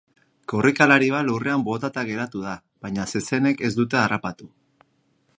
Korrikalari bat lurrean botata geratu da, baina zezenek ez dute harrapatu.